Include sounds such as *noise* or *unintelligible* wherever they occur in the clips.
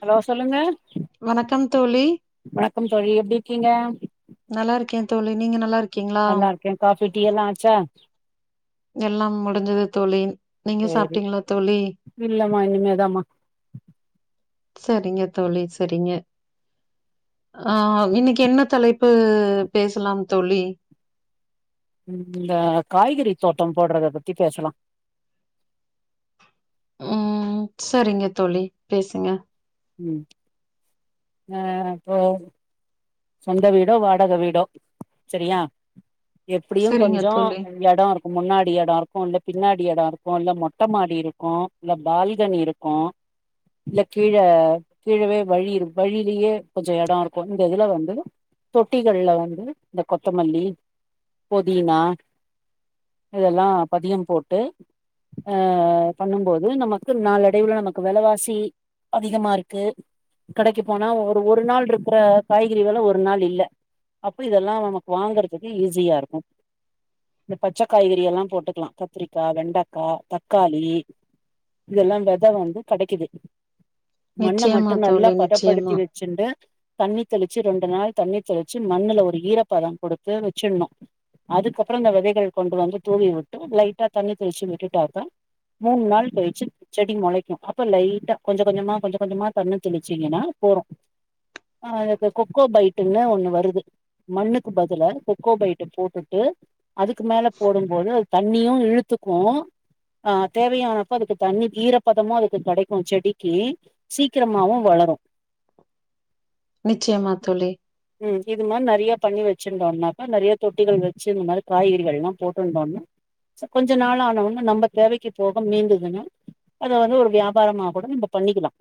Hello சொல்லுங்க வணக்கம் தோழி வணக்கம் தோழி எப்படி இருக்கீங்க நல்லா இருக்கேன் தோழி நீங்க நல்லா இருக்க நல்லா இருக்கேன் காபி டீ எல்லாம் ஆச்சா எல்லாம் முடிஞ்சது தோழி நீங்க சேரி சாப்பிட்டீங்களா தோழி இல்லமா இனிமேதாமா செரிங்க தோழி செரிங்க ஆஹ இன்னைக்கு என்ன தலைப்பு பேசலாம் தோழி உம் இந்த காய்கறி தோட்டம் போட்றத பத்தி பேசலாம் உம் செரிங்க தோழி பேசுங்க உம் ஆஹ இப்போ சொந்த வீடோ வாடக வீடோ செரியா எப்படியும் சரிங்க கொஞ்சம் தோழி. இடம் இருக்கும் முன்னாடி இடம் இருக்கும் ல்ல பின்னாடி இடம் இருக்கும் இல்ல மொட்டை மாடி இருக்கும் இல்ல பால்கனி இருக்கும் இல்ல கீழே கீழே வழி வழியிலேயே கொஞ்ச இடம் இருக்கும் இந்த இதுல வந்து தொட்டிகள்ல வந்து இந்த கொத்தமல்லி புதினா இதெல்லாம் பதியம் போட்டு பண்ணும்போது நமக்கு நாளடைவுள்ள நமக்கு விலைவாசி அதிகமா இருக்கு கிடைக்கு போனா ஒரு ஒரு நாள் இருக்கிற காய் கறி கறிவெலை ஒரு நாள் இல்ல அப்போ இதெல்லாம் நமக்கு வாங்கறதுக்கு ஈஸியா இருக்கும் இந்த பச்சை காய்கறி எல்லாம் போட்டுக்கலாம் கத்திரிக்காய் வெண்டைக்காய் தக்காளி இதெல்லாம் வெதை வந்து கெடைக்குது மண்ணை நிச்சயமா மட்டும் நல்லா தோழி பதப்படுத்தி நிச்சயமா வச்சுண்டு தண்ணி தெளிச்சு ரெண்டு நாள் தண்ணி தெளிச்சு மண்ணுல ஒரு ஈரப்பதம் கொடுத்து வச்சிடணும் அதுக்கப்புறம் இந்த விதைகள் கொண்டு வந்து தூவி விட்டு லைட்டா தண்ணி தெளிச்சு விட்டுட்டாக்க மூணு நாள் கழிச்சு செடி முளைக்கும் அப்ப ட்டா கொஞ்சம் கொஞ்சமா கொஞ்சம் கொஞ்சமா தண்ணி தெளிச்சீங்கன்னா போதும் இந்த கொக்கோ பைட்டுன்னு ஒண்ணு வருது மண்ணுக்கு பதிலா கொக்கோ பைட்டு போட்டுட்டு அதுக்கு மேல போடும்போது அது தண்ணியும் இழுத்துக்கும் ஆஹ தேவையானப்போ அதுக்கு தண்ணி ஈரப்பதமும் அதுக்கு கிடைக்கும் செடிக்கு சீக்கிரமாவும் வளரும் நிச்சயமா தோழி. உம் இது மாரி நெறைய தல்லி வசிருந்தோனாகா நெறய தொட்டிகள் வச்சு இந்த மாரி காய்கறிகலாம் போட்டுனோம்னா கொஞ்ச நாள்வாஒன்னா நம்ம தேவைகு போக மீந்துனா அத வந்து ஒரு வியாபாரமா கூட நம்ம பண்ணிக் கலாம்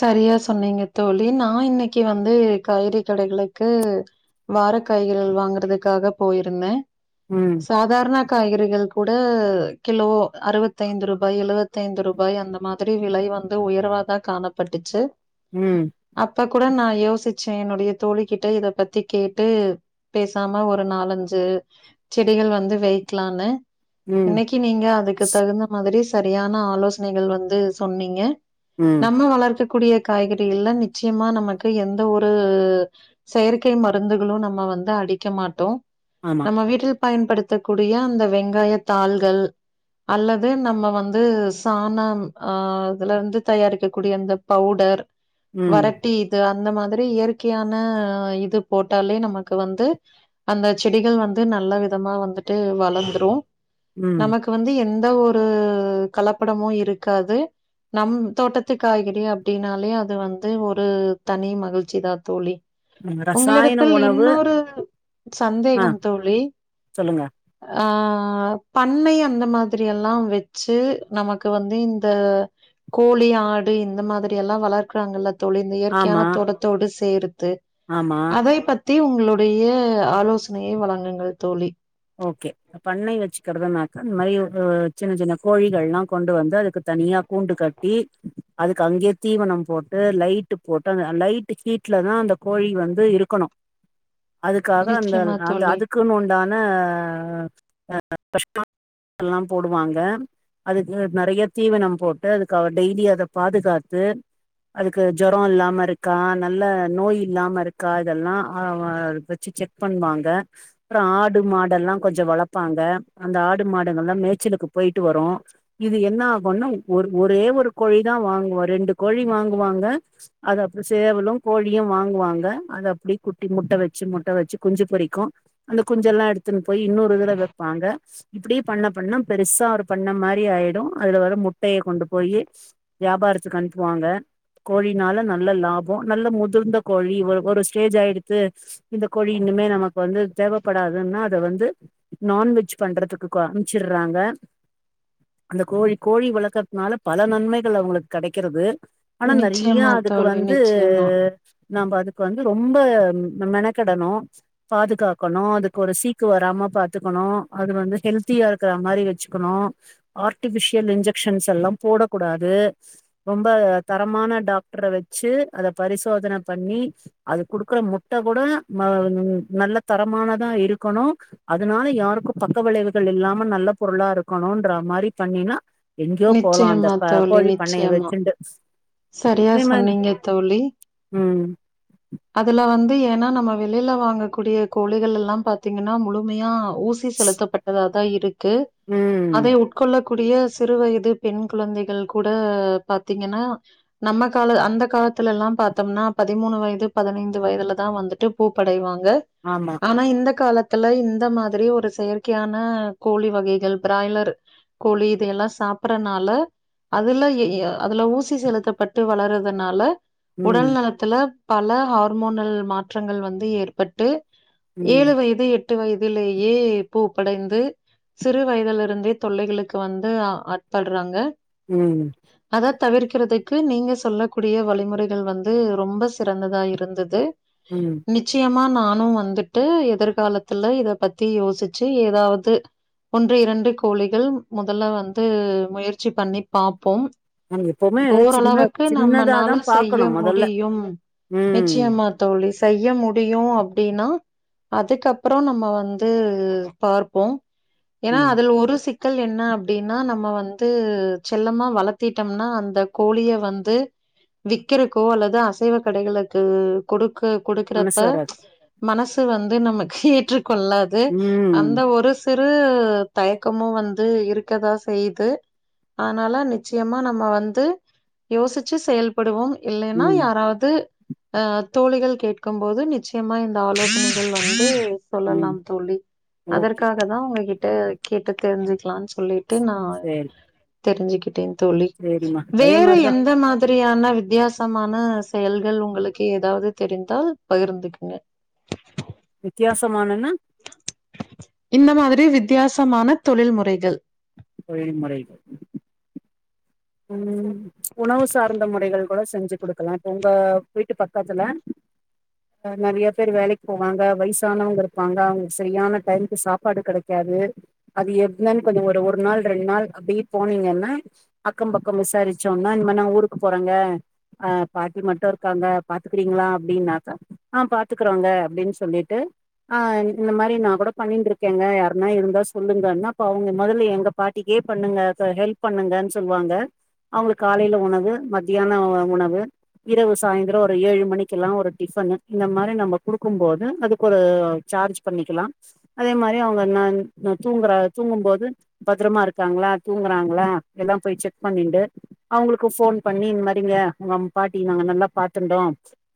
சரியா சொன்னிங்க தோழி நாயின்னைக்கு வந்து காய்கறி கடைகளுக்கு வார காய்கறிகள் வாங்குறதுக்காக போயிருந்தேன் ம் சாதரண காய்கறிகள் கூட கிலோ அறுபத்தைஐந்து ரூபாய் எழுபத்தைந்து ரூபாய் அந்த மாதிரி விலை வந்து உயர்வாதான் காண பட்டிச்சு உம் இப்ப கூட நான் யோசிச்சேன் என்னுடைய தோழி கிட்ட இத பத்தி கேட்டு பேசாம ஒரு நாலஞ்சு செடிகள் வந்து வைக்கலான்னு ம் இன்னக்கி நீங்க அதுக்கு தகுந்த மாதிரி சரியான ஆலோசனைகள் வந்து சொன்னீங்க ம் நம்ம வளர் க்ககூடிய காய்கறிகல்லா நிச்சயமா நமக்கு எந்த ஒரு செயற்கை மருந்துகளு நம்ம வந்து அடிக்க மாட்டொ ஆமா. நம்ம வீட்டில் பயன்படுத்தக்கூடிய அந்த வெங்காய தாள்கள் அல்லது நம்ம வந்து சாணம் அ அதுலருந்து தயாரிக்கக்கூடிய அந்த பவுடர் ம், வறட்டி இது அ ந்த மாதிரி இயற்கையான இது போட்டாலே நமக்கு வந்து அந்த செடிகள் வந்து நல்ல விதமா வந்துட்டு வளந்துரு ம், நமக்கு வந்து எந் த ஒரு கலப்படமு இருக்காது நம் தோட்டத்து காய்கறி அப் டின்னாலே அது வந்து ஒரு தனி மகிழ்ச்சி தா தோழி ம். ரசாயன உங்களிடத்தில் உணவு இன்னொரு ஆ சந்தேகம் தோழி சொல்லுங்க. அ பண்ணை அந்த மாதிரி எல்லா வச்சு நமக்கு வந்து இந்த கோழி ஆடு இந்த மாதி ரி எல்லா வளர்க்கிறாங்கல்ல தோழி இந்த ஆமா, இயற்கையான தோட்டத்தோடு சேர் த்து ஆமா. அதை பத்தி உங் ளுடைய ஆலோசனையை வழங்குங்கள் தோழி ஓகே பண்ணை வச்சுக்குறதுன்னாக்க இந்த மாரி அ சின்ன சின்ன கோழிகள்லா கொண்டு வந்து அதுக்கு தனியா கூண்டு கட்டி அதுக்கு அங்கயே தீவனம் போட்டு லைட்டு போட்டு அந்த லைட் ஹீட்லதா அந்த கோழி வந்து இருக்கணு அதுக்காக அந்த நிச்சயமா அந்த தோழி அதுக்குன் உண்டா ன *inaudible* போடுவாங்க அதுக்கு நெறைய தீவனம் போட்டு அதுக்கு டெய்லி அத பாதுகாத்து அதுக்கு ஜொரொ இல்லாம இருக்கா நல்ல நோய் இல்லாம இருக்கா இதெல்லா அ வ வச்சு செக் பண்ணுவாங்க அப்ற ஆ டு மாடல்லா கொஞ்ச வளப்பாங்க அந்த ஆடு மாடுகள்லா மேச்சலுக்கு போயிட்டு வரு இது என்ன ஆகுன்னா ஒர் ஒரே ஒரு கோழி தா வாங்குவொ ரெண்டு கோழி வாங்குவாங்க அத அப்ற சேவலு கோழியு வாங்குவாங்க அத அப்டி குட்டி முட்ட வச்சு முட்ட வச்சு குஞ்சு பொறிக்கு அந்த குஞ்செல்லா எடுத்துன் போய் இன்னொரு இதுல வப்பாங்க இப்பிடி பண்ண பண்ண பெருசா ஒரு பண்ண மாரி ஆயிடு அதுல வர முட்டைய கொண்டு போயி வியாபாரத்துக்கு அனுப்புவாங்க கோழினால நல்ல லாபொ நல்ல முதிர்ந்த கோழி ஒரு ஸ்டேஜ் ஆயிடுத்து இந்த கோழி இன்னுமே நமக்கு வந்து தேவ படாதுன்னா அத வந்து நான்வெஜ் பண்றதுக்கு க அம்ச்சுர்றாங்க அந்த கோழி கோழி வளக்கற்த்னால பல நன்மைகள் அவுங்களுக் கெடைக்கிறது ஆனா நெறைய நிச்சயமா அதுக்கு தோழி வந்து நிச்சயமா நாம்ப அதுக்கு வந்து ரொம்ப மெனக்கெடனு பாதுகாக் கணு அதுக்கு ஒரு சீக்கு வராம பாத்துக்கணு அது வந்து ஹெல்தியா இருக்குற மாரி வச்சுகணு ஆர்டிஃபிஷியல் இன்ஜெக்ஷன்ஸ் எல்லா போடகூடாது ரொம்ப தரமான டாக்டர வச்சு அத பரிசோத பண்ணி அது குடுக்குற முட்டகூட ம நல்ல தரமானதா இருக்கணு அதுனால யாருக்கு பக்க விளைவுகள் இல்லாம நல்ல பொருளா இருக்கனுன்ற மாரி பண்ணிணா எங்யோ போலா இந்த நிச்சயமா ப தோழி கோழி பண்ணைய நிச்சயமா வச்சுண்டு சரியா அதே மாரி சொன்னீங்க தோழி ம் அதெல்லா வந்து ஏன்னா நம்ம வெளில வாங்கக்கூடிய கோழிகள் எல்லாம் பாத்தீங்கன்னா முழுமையா ஊசி செலுத்தப்பட்டதா தா இருக் கு ம் அதை உட்கொள்ள கூடிய சிறு வயது பெண் குழந்தைகள் கூட பாத்திங்கன்னா நம்ம கால அந்த காலத்துல எல்லாம் பார்த்தோம்னா பதிமூணு வயது பதினைந்து வயதுலதான் வந்துட்டு பூப்படைவாங்க ங்க ஆமா ஆனா இந்த காலத் த்ல இந்த மாரி ஒரு செயற்கையான கோழி வகைகள் பிராய்லர் கோழி இதல்லா சாப்பறதுனால அதுல ஏஏ அதுல ஊசி செலுத்தப்பட்டு வளர்றதுனால ம் உடல் நலத்துல பல ஹார்மோனல் மாற்றங்கள் வந்து ஏற்பட்டு ஏழு ம் வயது எட் எட்டு வயதிலேயே பூப்படைந்து சிறு வயதலிருந்தே தொல்லைகளுக்கு வந்து ஆட்கொள்றாங்க ம்ம் தவிர்க் இருக்கிறதுக்கு நீங்க சொல்ல கூடிய வழிமுறைகள் வந்து ரொம்ப சிறந்ததா இருந்தது ம் நிச்சயம் ம் நானும் வந்துட்டு எதிர்காலத்துல இத பத்தி யோசிச்சு ஏதாவது ஒன்று இரண்டு கோழிகள் முதல்ல வந்து முயற்சி பண்ணி பாப்போம் நம்ம எப்பவுமே சின்ன ஓரளவுக்கு சின்னதா நம்மனால தா செய்ய பாக்கணு மொதல்ல முடியும் ம் நிச்சயமா தோழி செய்ய முடியும் அப்படின்னா அதுக்கப்புறம் நம்ம வந்தூ பார்ப்போம் ஏன்னா ம் அதுல ஒரு க்கள் என்ன அப்படின்னா நம்ம வந்து செல்லமா வளத்திடோம்னா அந்த ந்த கோழிய வந்து விக்கிறகோ அல்லது அசைவ கடைகளுக்கு கொடு க்கு மனசு கொடுக்குறப வராது மனசு வந்து நமக்கேற்று கொள்ளாது ம் அந்த ஒரு சிறு தயக்கமும் வந்து இருக்கதா செய்து அதனால நிச்சயமா நம்ம வந்து து யோசிச்சு செயல்படுவோம் இல்லைனா ம் யாராவது அஹ் தோழிகள் கேட்கும் போது நிச்சயமா இந்த ஆலோசனைகள் வந்து ம் சொல்லலாம் தோழி ஓகே அதற்காக தான் உங்ககிட்ட கேட்டு தெரிஞ்சு கலான்னு சொல்லி த்து நா சேரி தெரிஞ்சுக்கிட்டேன் தோழி சேரிம்மா அதே வேற மாரிதா எந்த மாதிரி இப்படியான வித்தியாசமான செயல்கள் உங்களுக்கு எதாவது தெரிந்தால் பகிர்ந்துக்குங்க வித்தியாசமானனா இந்த மாதிரி வித்தியாசமான தொழில் முறைகள் தொழில் முறை உஹம் உணவு சார்ந்த முறைகள் கூட செஞ்சு கொடுக்கலாம் இப்ப உங்க வீட்டு பக்கத்துல ஹ நெறைய பேர் வேலைக்கு போவாங்க வயசானவங்க இருப்பாங்க அவங்க சரியான டைமுக்கு சாப்பாடு கிடைக்காது அது எப்பன்னு கொஞ்சம் ஒரு ஒரு நாள் ரெண்டு நாள் அப்படி போனீங்கன்னா அக்கம் பக்கம் விசாரிச்சோம்னா இந்த மாரி நா ஊருக்கு போறங்க அ பாட்டி மட்டு இருக்காங்க பாத்துக்கிறீங்களா அப்டின்னாக்கா ஆ பாத்துக்கறோங்க அப்டின் சொல்லிட்டு ஆ இந்த மாரி நா கூட பண்ணிருந்துருக்கேங்க யாருன்னா இருந்தா சொல்லுங்கன்னாப் அவங்க மொதல்ல எங்க பாட்டிக்கே பண்ணுங்க அத ஹெல்ப் பண்ணுங்கன்ஸ் சொல்லுவாங்க அவங்களுக்கு காலைல உணவு மத்தியான உணவு இரவு சாயந்தரோ ஒரு ஏழு மணிக்கெல்லா ஒரு டிஃபன்னு இந்த மாரி நம்ம குடுக்கும் போது அதுக்கு ஒரு சார்ஜ் பண்ணிக்கலா அதே மாரி அவங்க தூங்குற தூங்கும்போது பத்ரமா இருக்காங்களா தூங்கறாங்களா எல்லா போய் செக் பண்ணிட்டு அவங்களுக்கு ஃபோன் பண்ணி இந்த மாரி இங்க உங்க அம் பாட்டி நாங்க நல்லா பாத்துருந்தோ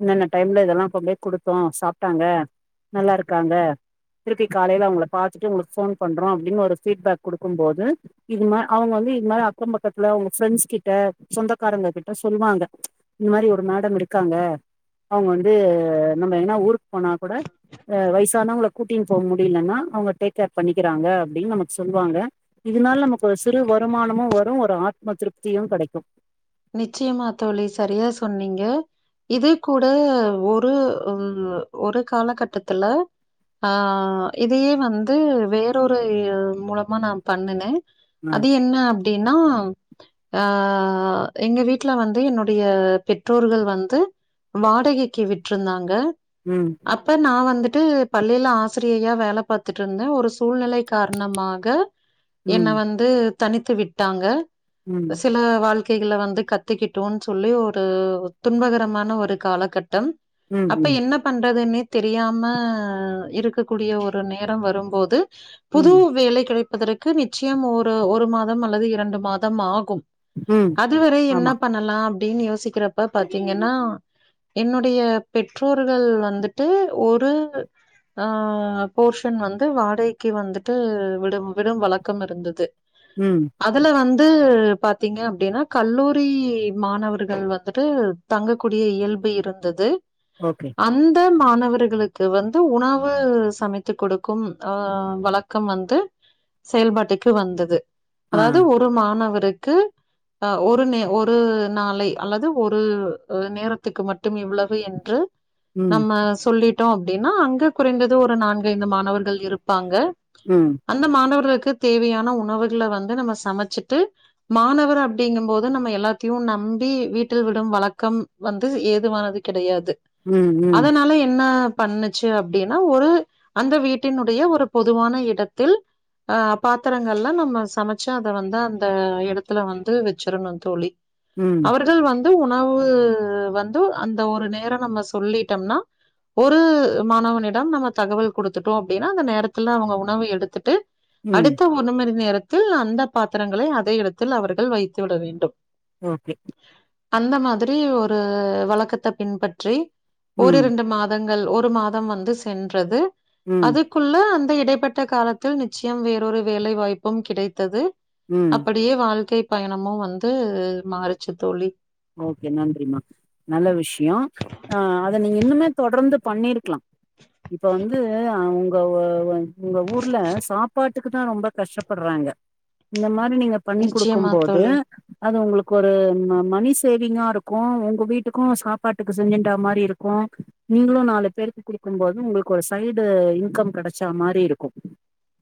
இன்னென்ன டைம்ல இதெல்லா கொண்டு போய் குடுத்தோ சாப்ட்டாங்க நல்லா இருக்காங்க திருப்பி காலைல அவங்கள பாத்துட்டு உங்களுக்கு ஃபோன் பண்றோ அப்டின்னு ஒரு ஃபீட்பேக் குடுக்கும் போது இது மா அவங்க வந்து இது மாரி அக்கம் பக்கத்துல உங்க ஃப்ரெண்ட்ஸ் கிட்ட சொந்தக்காரங்க கிட்ட சொல்வாங்க இந்த மாரி ஒரு மேடம் இருக்காங்க அவுங்க வந்து நம்ம எங்கனா ஊருக் போனா கூட வயசானவங்கள கூட்டின் போக முடியலன்னா அவங்க டேக் ஏர் பண்ணிக்கிறாங்க அப்டின் நமக்கு சொல்வாங்க இதனால நமக்கு சிறு வொர் வருமானமு ஒர்க் ஒரு ஆத்மா திருப்தியு கெடைக்கு நிச்சயமா தோழி சரியா சொன்னீங்க இது கூட ஒரு ஒரு காலகட்டத்துல ஆ இதையே வந்து வேறொரு மூலமா நா பண்ணுனே அ அது என்ன அப்டின்னா ஆ எங்க வீட்ல வந்து என்னுடைய பெற்றோர்கள் வந்து வாடகைக்கு விட்ருந்தாங்க ம் அப்ப நா வந்துட் டு பள்ளில ஆசிரியையா வே பாத்துட்டு இருந்த ஒருஸ் சூழ்நெலை காரணமாக என்ன ம் வந்து தனித்து விட்டாங்க ம் சில வாழ்க் கில வந்து கத்துக்கிட்டோன் சொல்லி ஒரு துன்பகரமான ஒரு காலகட் டம் ம் அப்ப ம் என்ன பண்றதுன்னே தெரியாம இருக்கக்கூடிய ஒரு நேரம் வரும்போது புது ம் வேலை கிடைப் பதற்கு நிச்சியம் ஒரு ஒரு மாதம் அல்லது இரண்டு மாதம் ஆகும் ம் அதுவரை என்ன ஆமா பண்ணலாம் அப்டின் யோசிக்கிறப்ப பாத்தீங்கன்னா என்னுடைய பெற்றோர்கள் வந்துட்டு ஒரு போர்ஷன் வந்து வாடகைக்கு வந்துட்டு விடும் விடும் வழக்கம் இருந்தது ம் அதுல வந்து பாத்தீங்க அப்படின்னா கல்லூரி மாணவர்கள் வந்துட்டு தங்கக்கூடிய இயல்பு இருந்தது ஓகே அந்த மன அவர்களுக்கு வந்து உணவு சமைத்து கொடுக்கும் அ வழக்கம் வந்து செயல்பாட்டுக்கு வந்தது ஆ அதாவது ஒரு மாணவருக் க்கு ஒரு நே ஒரு நாளை அல்லது ஒரு நேரத்துக்கு மட் டும் இவ்வளவு என்று ம் நம்ம சொல்லிட் டோ அப்டின்னா அங்க குறைந்தது ஒரு நான்கு ஐந்து மாணவர்கள் இருப்பாங்க ம் அந்த மாணவர்களுக்கு க்கு தேவையான உணவுகள வந்து நம சமச்சுட்டு மாணவர் அப் ப்டிங்கும் போது நம்ம எல்லாத்தையும் நம்பி வீட்டுல விடும் வழக்கம் வந்து ஏதுவானது கிடையாது து ம் ம் அதனால என்னாப் பண்ணுச்சு அப்டின்னா ஒரு அந்த வீட்டினுடைய ஒரு பொதுவான இடத்தில் ஆ பாத்திரங்கல்லா நம்ம சமச்சு அத வந்த அந்த இடத்துல வந்து வெச் ச்சுரனு தோழி ம் அவர்கள் வந் ந்து உணவு வந்து அந்த ஒரு நேர நம்ம சொல்லிட்டம்னா ஒரு மாணவனிடம் நம்ம தகவல் கொடுத்துட்டோ அப்டின்னா அந்த நேரத்துல அவுங்க உணவு எடுத்துட்டு ம் அடுத்து ஒன்னு மணி நேரத் த்து அந்த பாத்திரங்குளை அதே இடத்தில் அவர்கள் வைத் த்து விட வேண்டும் ஓகே அந்த மாதிரி ஒரு வழக்கத்த பின்பற்றி ஒரு ம் ரெண்டு மாதங் கள் ஒரு மாதம் வந்து சென்றது ம் அதுக்குள்ள அந் இது இடைப்பட்ட காலத்தில் நிச்சியம் வேறொரு வேலை வாய்ப்பும் கிடைத்தது ம் அப்பிடியே வாழ்க்கைப் பயணமு வந்து மாறிச்சு தோழி ஓகே நன்றிமா நல்ல விஷ்யோ ஆ அத நீங்க இன்னுமே தொடர்ந்து பண்ணிருக்குலா இப்ப வந்து அவுங்கவோ உங்க ஊர்ல சாப்பாட்டுக் க்கு தா ரொம்ப கஷ்டப்படுறாங்க இந்த மாரி நீங்க பண்ணி குடுக்கும் நிச்சயமா போது தோழி அது உங்குளுக் கொரு ம மனிஷ் சேவிங்கா இருக்கு உங்க வீட்டுக்கு சாப்பாட்டுக்கு செஞ்சுட்டா மாரி இருக்கு நீங்குளும் நாலு பேருக்கு குடுக்கும் போது உங்குளுக்கு ஒரு சைடு இன்கம் கிடைச்சா மாரி இருக்கும்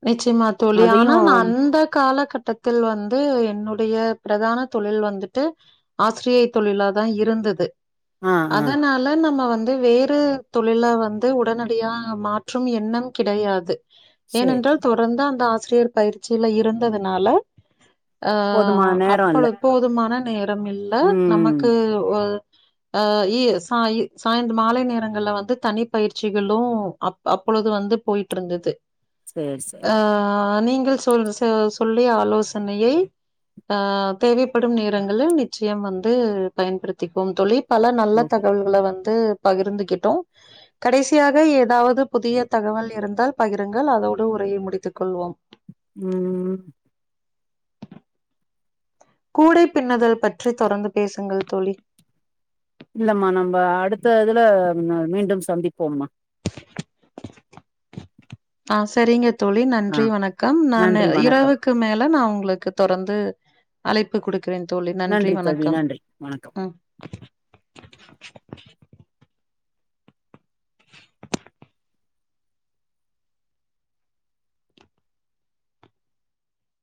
நிச்சியமா தோழி ஆனா நா அந்த காலகட்டத்தில் வந்து என்னூல் பிரிய பிரகான தொழில் வந்துட்டு ஆசிரியை தொழில தா இருந்தது ஆ ஆ அதனால நம்ம வந் வந்து வேறு தொழில வந்து உடனடியா மாற்றும் எண்ணம் கிடையாது சேரி ஏனென்றால் தொடர்ந்து அந்த ஆ சிரியை பயிற்சியில இருந்ததுனால ஆ போதுமான நேரோ அப்பொழு இல்ல இப்போது மன இடம் இல்ல ம் நமக்கு ஒ அ *unintelligible* சாயிர் சாயிந்த மாலை நேரங்கள்ள வந்து தனி பயிற்சிகளு அப் அப்பொழுது வந்து போயிட்ருந்தது சேரி சேரி ஆ நீங் *unintelligible* சொல்லி ஆலோசனையை ஆ தேவைப்படும் நேரங்குளு நிச்சியம் வந்து பயன்படுத்திக்கோம் தோழி பல நல்ல ஓகே தகவல்கள வந்து பகிர்ந்துகிட்டோம் கடைசியாக ஏதாவது புதிய தகவல் இருந்தால் பகிர் ங்கள் அதோடு உரையை முடித்துக் கொள்வோம் ம் கூடை பின்னுதல் பற்றித் தொடர்ந்து பேசுங்கள் தோழி இல்லம்மா நம்ம அடுத்த இதுல மீண்டும் சந்திப்போம்மா ஆ சரிங்கத் தோழி ஆ நன்றி வணக்கம் நான்னு நன்றி வணக்கம் இரவுக்கு மேல நா உங் ளுக்கு தொடர்ந்து அழைப்பு குடுக் றேன் தோழி நன்றி தோழி வணக்கம் நன்றி வணக்கம் ம்